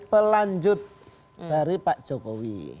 pelanjut dari pak jokowi